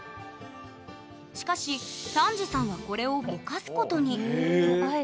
しかし丹治さんはこれをぼかすことにへえ。